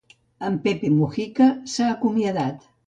En Pepe Mujica s'ha acomiadat.